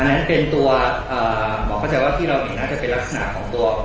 อันนี้เป็นตัวหมอเข้าใจว่าที่เราเห็นน่าจะเป็นลักษณะของตัว